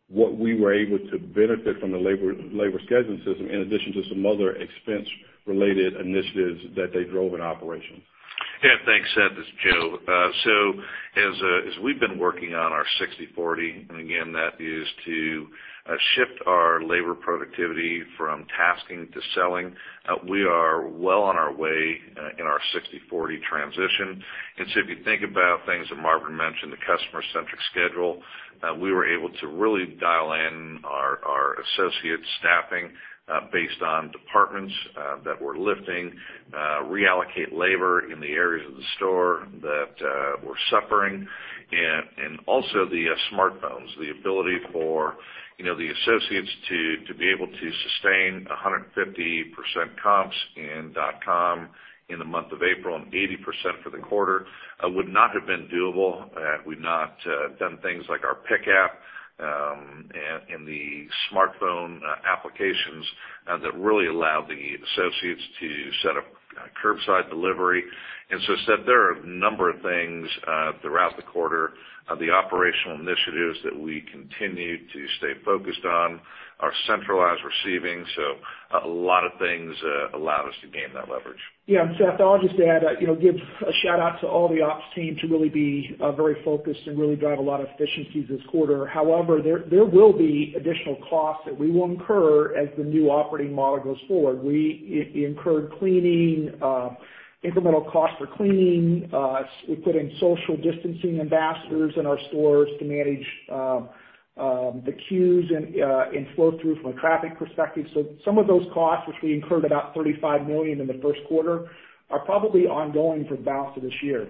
S3: what we were able to benefit from the labor scheduling system, in addition to some other expense related initiatives that they drove in operations.
S4: Thanks, Seth. It's Joe. As we've been working on our 60/40, and again, that is to shift our labor productivity from tasking to selling. We are well on our way in our 60/40 transition. If you think about things that Marvin mentioned, the customer-centric schedule, we were able to really dial in our associate staffing based on departments that were lifting, reallocate labor in the areas of the store that were suffering. Also the smartphones, the ability for the associates to be able to sustain 150% comps in dotcom in the month of April and 80% for the quarter would not have been doable had we not done things like our pick app and the smartphone applications that really allowed the associates to set up curbside delivery. Seth, there are a number of things throughout the quarter, the operational initiatives that we continue to stay focused on, our centralized receiving. A lot of things allowed us to gain that leverage.
S6: Yeah, and Seth, I'll just add, give a shout-out to all the ops team to really be very focused and really drive a lot of efficiencies this quarter. However, there will be additional costs that we will incur as the new operating model goes forward. We incurred cleaning, incremental costs for cleaning. We put in social distancing ambassadors in our stores to manage the queues and flow through from a traffic perspective. Some of those costs, which we incurred about $35 million in the first quarter, are probably ongoing for the balance of this year.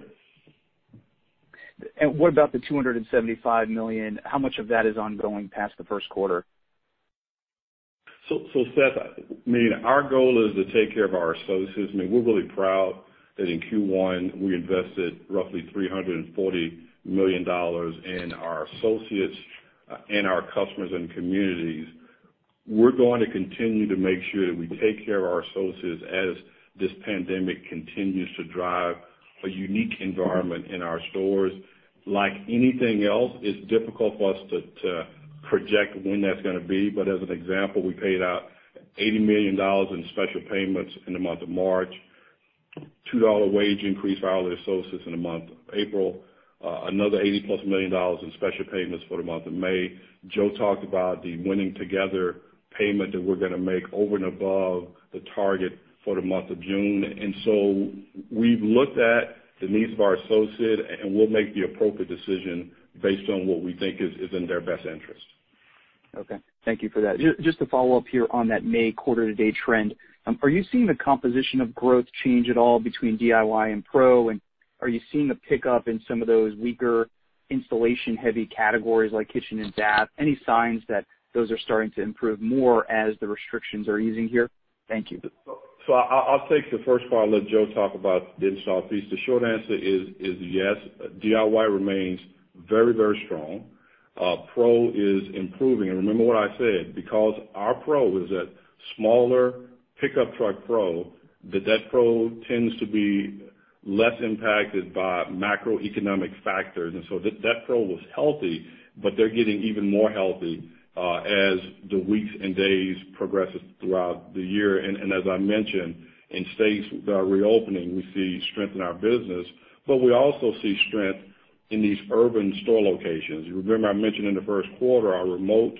S9: What about the $275 million? How much of that is ongoing past the first quarter?
S3: Seth, our goal is to take care of our associates. We're really proud that in Q1, we invested roughly $340 million in our associates and our customers and communities. We're going to continue to make sure that we take care of our associates as this pandemic continues to drive a unique environment in our stores. Like anything else, it's difficult for us to project when that's going to be. As an example, we paid out $80 million in special payments in the month of March, $2 wage increase for all our associates in the month of April, another $80-plus million in special payments for the month of May. Joe talked about the Winning Together payment that we're going to make over and above the target for the month of June. We've looked at the needs of our associates, and we'll make the appropriate decision based on what we think is in their best interest.
S9: Okay. Thank you for that. Just to follow up here on that May quarter-to-date trend, are you seeing the composition of growth change at all between DIY and pro? Are you seeing a pickup in some of those weaker installation-heavy categories like kitchen and bath? Any signs that those are starting to improve more as the restrictions are easing here? Thank you.
S3: I'll take the first part and let Joe talk about the install piece. The short answer is yes, DIY remains very, very strong. Pro is improving. Remember what I said, because our pro is that smaller pickup truck pro, that pro tends to be less impacted by macroeconomic factors. That pro was healthy, but they're getting even more healthy as the weeks and days progresses throughout the year. As I mentioned, in states that are reopening, we see strength in our business. We also see strength in these urban store locations. You remember I mentioned in the first quarter, our remote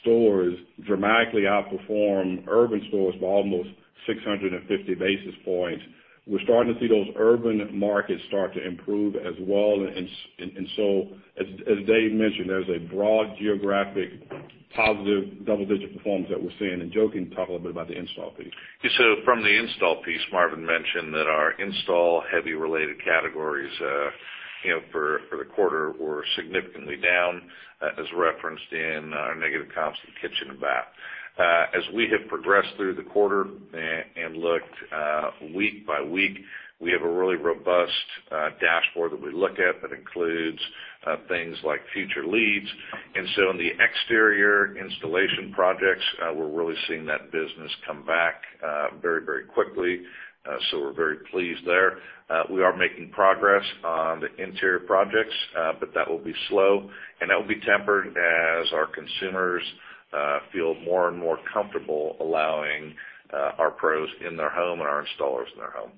S3: stores dramatically outperform urban stores by almost 650 basis points. We're starting to see those urban markets start to improve as well. As Dave mentioned, there's a broad geographic positive double-digit performance that we're seeing. Joe can talk a little bit about the install piece.
S4: From the install piece, Marvin mentioned that our install-heavy related categories for the quarter were significantly down, as referenced in our negative comps in kitchen and bath. As we have progressed through the quarter and looked week by week, we have a really robust dashboard that we look at that includes things like future leads. In the exterior installation projects, we're really seeing that business come back very quickly. We're very pleased there. We are making progress on the interior projects, but that will be slow, and that will be tempered as our consumers feel more and more comfortable allowing our pros in their home and our installers in their home.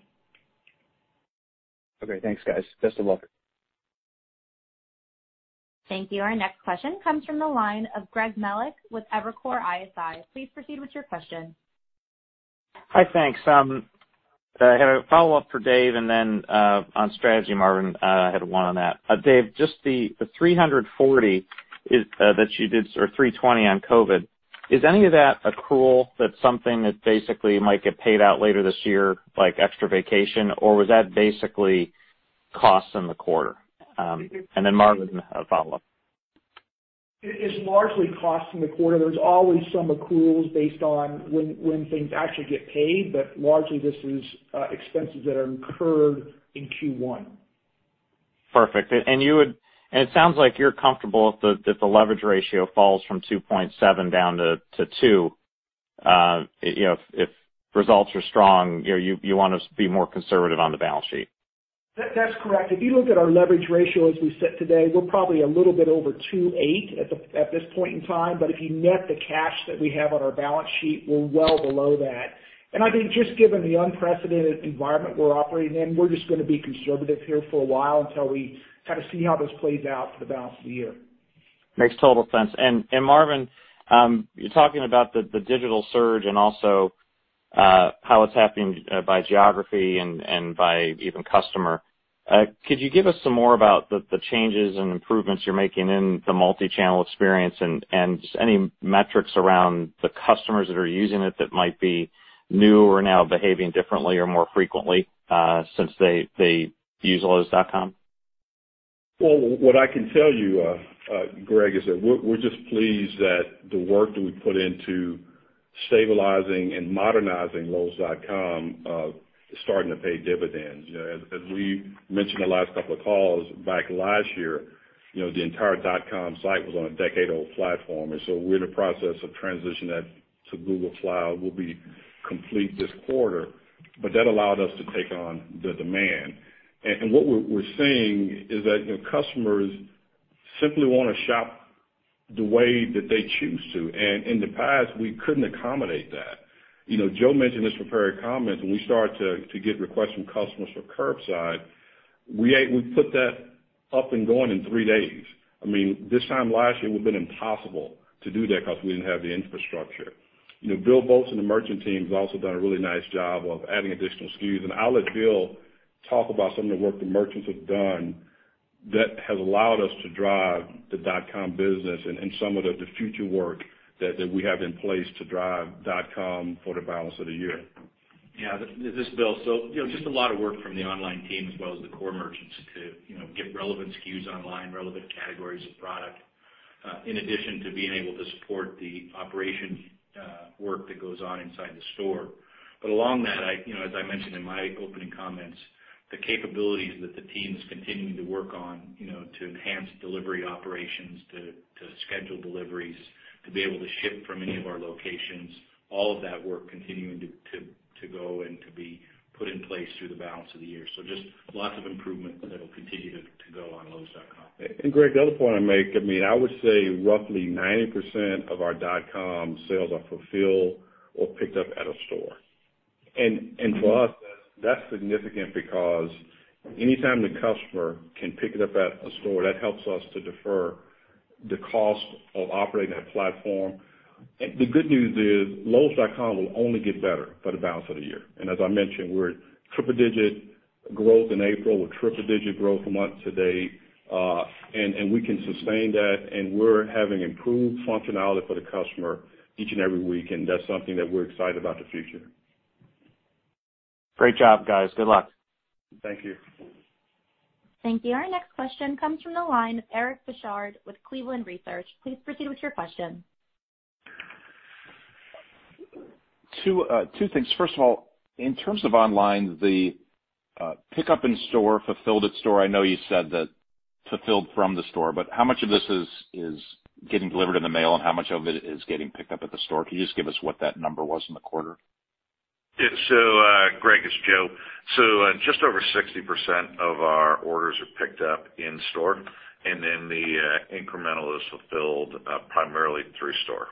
S9: Okay, thanks guys. Best of luck.
S1: Thank you. Our next question comes from the line of Greg Melich with Evercore ISI. Please proceed with your question.
S10: Hi, thanks. I had a follow-up for Dave and then on strategy, Marvin, I had one on that. Dave, just the $340 that you did, or $320 on COVID-19, is any of that accrual that's something that basically might get paid out later this year, like extra vacation? Or was that basically costs in the quarter? Marvin, a follow-up.
S6: It is largely costs in the quarter. There's always some accruals based on when things actually get paid. Largely, this is expenses that are incurred in Q1.
S10: Perfect. It sounds like you're comfortable if the leverage ratio falls from 2.7 down to 2. If results are strong, you want to be more conservative on the balance sheet.
S6: That's correct. If you look at our leverage ratio as we sit today, we're probably a little bit over 2.8 at this point in time. If you net the cash that we have on our balance sheet, we're well below that. I think just given the unprecedented environment we're operating in, we're just going to be conservative here for a while until we see how this plays out for the balance of the year.
S10: Makes total sense. Marvin, you're talking about the digital surge and also how it's happening by geography and by even customer. Could you give us some more about the changes and improvements you're making in the multi-channel experience and just any metrics around the customers that are using it that might be new or now behaving differently or more frequently since they use lowes.com?
S3: Well, what I can tell you, Greg, is that we're just pleased that the work that we put into stabilizing and modernizing lowes.com is starting to pay dividends. As we mentioned in the last couple of calls back last year, the entire .com site was on a decade-old platform. We're in the process of transitioning that to Google Cloud. We'll be complete this quarter. That allowed us to take on the demand. What we're seeing is that customers simply want to shop the way that they choose to. In the past, we couldn't accommodate that. Joe mentioned this prepared comments. When we started to get requests from customers for curbside, we put that up and going in three days. This time last year, it would've been impossible to do that because we didn't have the infrastructure. Bill Boltz and the merchant team have also done a really nice job of adding additional SKUs. I'll let Bill talk about some of the work the merchants have done that has allowed us to drive the .com business and some of the future work that we have in place to drive .com for the balance of the year.
S5: Yeah, this is Bill. Just a lot of work from the online team as well as the core merchants to get relevant SKUs online, relevant categories of product, in addition to being able to support the operation work that goes on inside the store. Along that, as I mentioned in my opening comments, the capabilities that the team's continuing to work on to enhance delivery operations, to schedule deliveries, to be able to ship from any of our locations, all of that work continuing to go and to be put in place through the balance of the year. Just lots of improvements that'll continue to go on lowes.com.
S3: Greg, the other point I will make, I would say roughly 90% of our dotcom sales are fulfilled or picked up at a store. For us, that is significant because anytime the customer can pick it up at a store, that helps us to defer the cost of operating that platform. The good news is lowes.com will only get better for the balance of the year. As I mentioned, we are at triple-digit growth in April with triple-digit growth month to date. We can sustain that, and we are having improved functionality for the customer each and every week, and that is something that we are excited about the future.
S10: Great job, guys. Good luck.
S3: Thank you.
S1: Thank you. Our next question comes from the line of Eric Bosshard with Cleveland Research. Please proceed with your question.
S11: Two things. First of all, in terms of online, the pickup in store, fulfill at store, I know you said that fulfilled from the store, but how much of this is getting delivered in the mail and how much of it is getting picked up at the store? Can you just give us what that number was in the quarter?
S4: Greg, it's Joe. Just over 60% of our orders are picked up in store, and then the incremental is fulfilled primarily through store.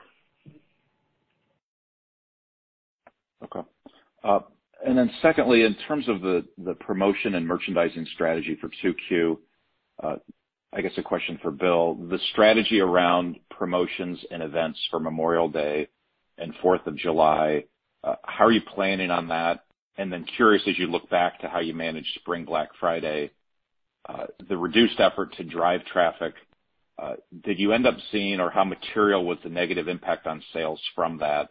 S11: Okay. Secondly, in terms of the promotion and merchandising strategy for 2Q, I guess a question for Bill Boltz, the strategy around promotions and events for Memorial Day and 4th of July, how are you planning on that? Curious as you look back to how you managed Spring Black Friday, the reduced effort to drive traffic, did you end up seeing or how material was the negative impact on sales from that?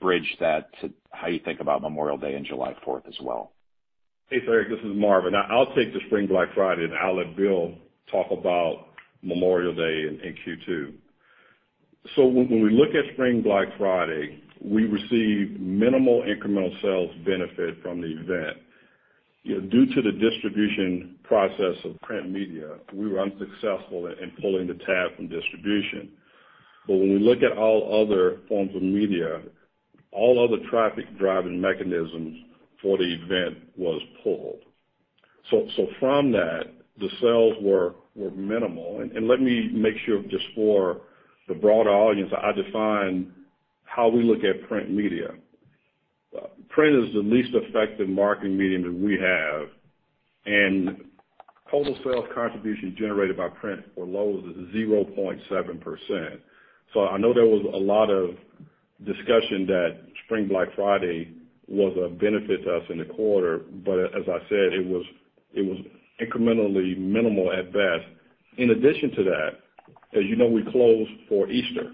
S11: Bridge that to how you think about Memorial Day and July 4th as well.
S3: Hey, Eric, this is Marvin. I'll take the Spring Black Friday. I'll let Bill talk about Memorial Day in Q2. When we look at Spring Black Friday, we received minimal incremental sales benefit from the event. Due to the distribution process of print media, we were unsuccessful in pulling the tab from distribution. When we look at all other forms of media, all other traffic-driving mechanisms for the event was pulled. From that, the sales were minimal. Let me make sure just for the broader audience, I define how we look at print media. Print is the least effective marketing medium that we have, and total sales contributions generated by print for Lowe's is 0.7%. I know there was a lot of discussion that Spring Black Friday was a benefit to us in the quarter, but as I said, it was incrementally minimal at best. In addition to that, as you know, we closed for Easter.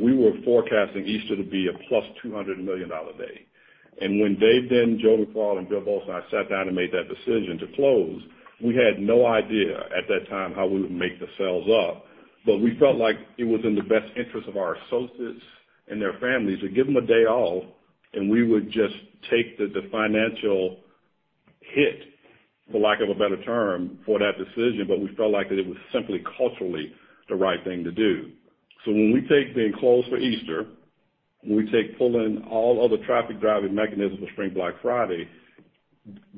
S3: We were forecasting Easter to be a plus $200 million day. When Dave Denton, Joe McFarland, and Bill Boltz and I sat down and made that decision to close, we had no idea at that time how we would make the sales up. We felt like it was in the best interest of our associates and their families to give them a day off, and we would just take the financial hit, for lack of a better term, for that decision. We felt like that it was simply culturally the right thing to do. When we take being closed for Easter, when we take pulling all other traffic-driving mechanisms for Spring Black Friday,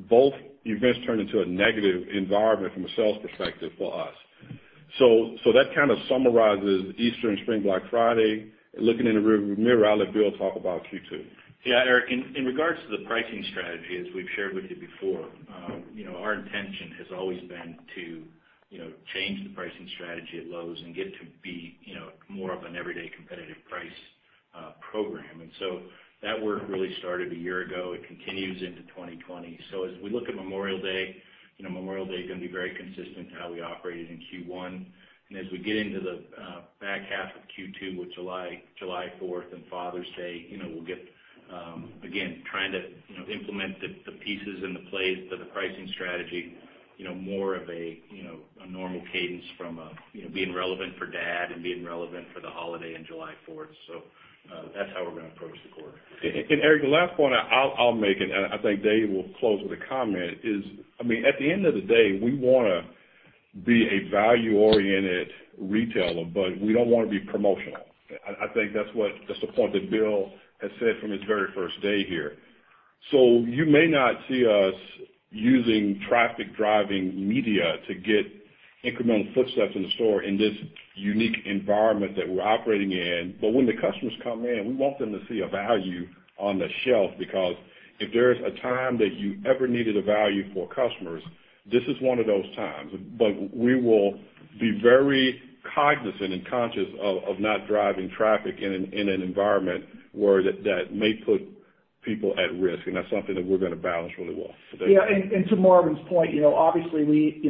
S3: both events turned into a negative environment from a sales perspective for us. That kind of summarizes Easter and Spring Black Friday. Looking in the rearview mirror, I'll let Bill talk about Q2.
S5: Yeah, Eric, in regards to the pricing strategy, as we've shared with you before, our intention has always been to change the pricing strategy at Lowe's and get to be more of an everyday competitive price program. That work really started one year ago. It continues into 2020. As we look at Memorial Day, Memorial Day is going to be very consistent to how we operated in Q1. As we get into the back half of Q2 with July 4th and Father's Day, again, trying to implement the pieces and the plays for the pricing strategy more of a normal cadence from being relevant for dad and being relevant for the holiday and July 4th. That's how we're going to approach the quarter.
S3: Eric, the last point I'll make, and I think Dave will close with a comment, is at the end of the day, we want to be a value-oriented retailer, but we don't want to be promotional. I think that's the point that Bill has said from his very first day here. You may not see us using traffic-driving media to get incremental footsteps in the store in this unique environment that we're operating in. When the customers come in, we want them to see a value on the shelf because if there's a time that you ever needed a value for customers, this is one of those times. We will be very cognizant and conscious of not driving traffic in an environment where that may put people at risk, and that's something that we're going to balance really well.
S6: Yeah, to Marvin's point, obviously,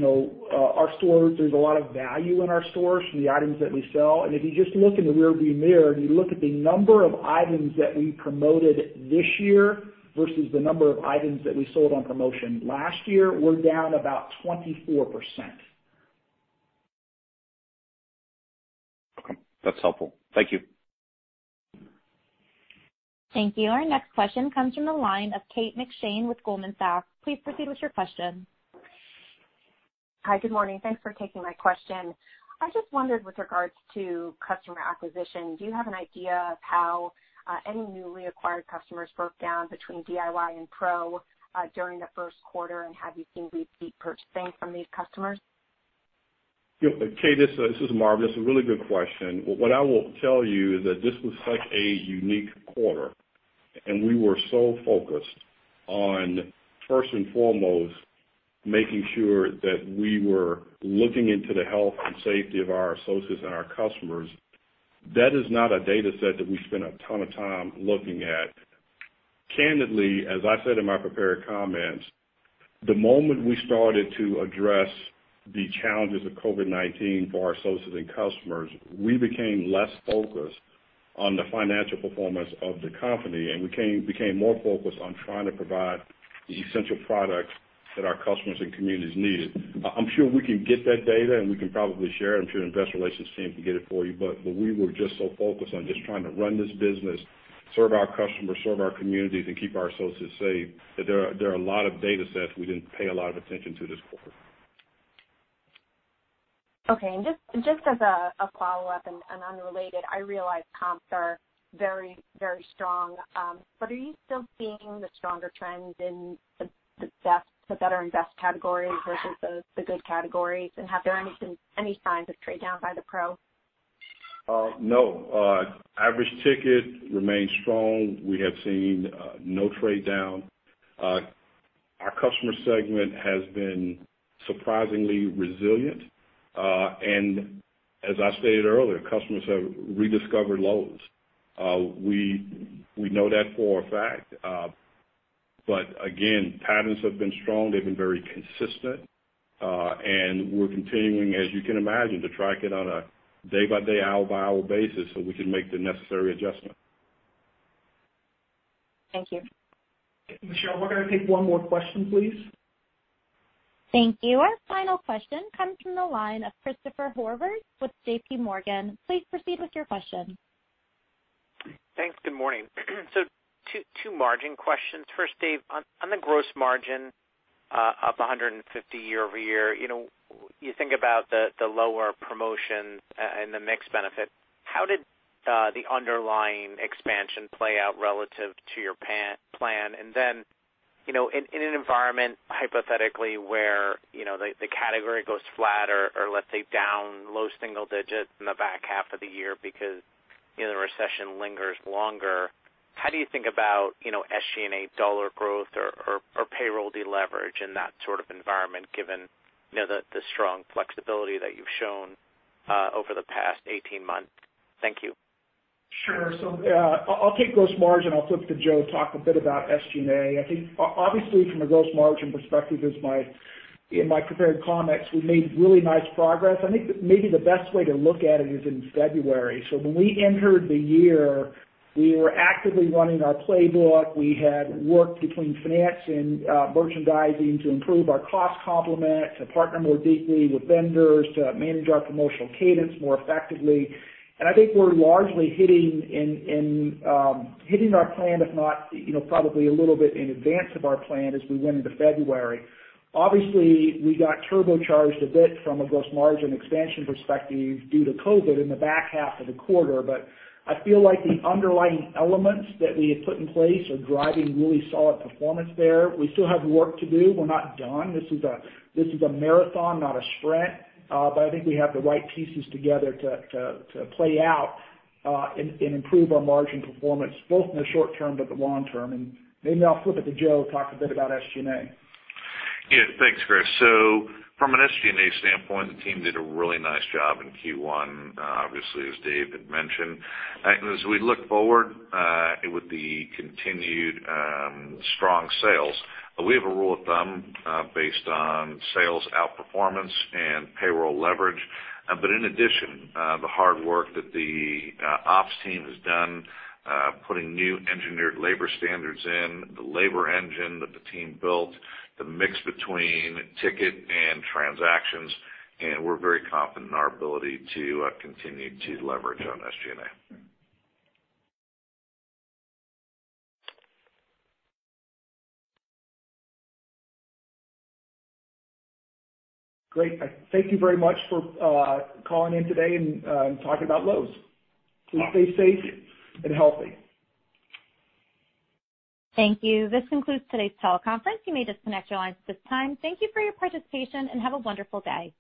S6: our stores, there's a lot of value in our stores from the items that we sell. If you just look in the rear view mirror and you look at the number of items that we promoted this year versus the number of items that we sold on promotion last year, we're down about 24%.
S11: Okay. That's helpful. Thank you.
S1: Thank you. Our next question comes from the line of Kate McShane with Goldman Sachs. Please proceed with your question.
S12: Hi. Good morning. Thanks for taking my question. I just wondered with regards to customer acquisition, do you have an idea of how any newly acquired customers broke down between DIY and pro during the first quarter? Have you seen repeat purchasing from these customers?
S3: Yep. Kate, this is Marvin. That's a really good question. What I will tell you is that this was such a unique quarter, and we were so focused on, first and foremost, making sure that we were looking into the health and safety of our associates and our customers. That is not a data set that we spent a ton of time looking at. Candidly, as I said in my prepared comments, the moment we started to address the challenges of COVID-19 for our associates and customers, we became less focused on the financial performance of the company, and became more focused on trying to provide the essential products that our customers and communities needed. I'm sure we can get that data, and we can probably share it. I'm sure the Investor Relations team can get it for you. We were just so focused on just trying to run this business, serve our customers, serve our communities, and keep our associates safe, that there are a lot of data sets we didn't pay a lot of attention to this quarter.
S12: Okay. Just as a follow-up, and unrelated, I realize comps are very strong. Are you still seeing the stronger trends in the better and best categories versus the good categories? Have there any signs of trade down by the pro?
S3: No. Average ticket remains strong. We have seen no trade down. Our customer segment has been surprisingly resilient. As I stated earlier, customers have rediscovered Lowe's. We know that for a fact. Again, patterns have been strong. They've been very consistent. We're continuing, as you can imagine, to track it on a day-by-day, hour-by-hour basis, so we can make the necessary adjustments.
S12: Thank you.
S6: Michelle, we're going to take one more question, please.
S1: Thank you. Our final question comes from the line of Christopher Horvers with JPMorgan. Please proceed with your question.
S13: Two margin questions. First, Dave, on the gross margin up 150 year-over-year. You think about the lower promotion and the mix benefit. How did the underlying expansion play out relative to your plan? In an environment hypothetically where the category goes flat or let's say, down low single digits in the back half of the year because the recession lingers longer, how do you think about SG&A dollar growth or payroll deleverage in that sort of environment given the strong flexibility that you've shown over the past 18 months? Thank you.
S6: Sure. I'll take gross margin, and I'll flip to Joe to talk a bit about SG&A. I think, obviously from a gross margin perspective, in my prepared comments, we made really nice progress. I think that maybe the best way to look at it is in February. When we entered the year, we were actively running our playbook. We had worked between finance and merchandising to improve our cost complement, to partner more deeply with vendors, to manage our promotional cadence more effectively. I think we're largely hitting our plan, if not, probably a little bit in advance of our plan as we went into February. Obviously, we got turbocharged a bit from a gross margin expansion perspective due to COVID in the back half of the quarter. I feel like the underlying elements that we had put in place are driving really solid performance there. We still have work to do. We're not done. This is a marathon, not a sprint. I think we have the right pieces together to play out and improve our margin performance, both in the short term, but the long term. Maybe I'll flip it to Joe to talk a bit about SG&A.
S4: Yeah. Thanks, Chris. From an SG&A standpoint, the team did a really nice job in Q1, obviously, as Dave had mentioned. I think as we look forward, with the continued strong sales, we have a rule of thumb based on sales outperformance and payroll leverage. In addition, the hard work that the ops team has done putting new engineered labor standards in, the labor engine that the team built, the mix between ticket and transactions, we're very confident in our ability to continue to leverage on SG&A.
S6: Great. Thank you very much for calling in today and talking about Lowe's. Please stay safe and healthy.
S1: Thank you. This concludes today's teleconference. You may disconnect your lines at this time. Thank you for your participation, and have a wonderful day.